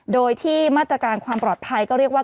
โดยที่มาตรการความปลอดภัยก็เรียกว่า